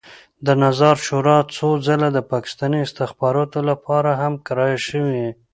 د نظار شورا څو ځله د پاکستاني استخباراتو لپاره هم کرایه شوې.